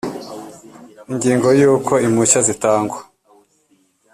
ingingo ya uko impushya zitangwa